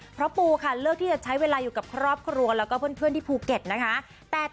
เพราะปูค่ะเลือกที่จะใช้เวลาอยู่กับครอบครัวแล้วก็เพื่อนที่ภูเก็ตนะคะ